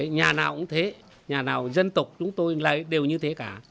nhà nào cũng thế nhà nào dân tộc chúng tôi đều như thế cả